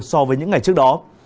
so với những ngày trước đó